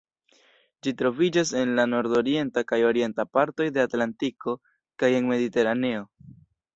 Ĝi troviĝas en la nordorienta kaj orienta partoj de Atlantiko kaj en Mediteraneo.